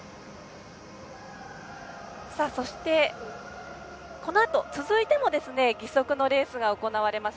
そして、このあと続いても義足のレースが行われます。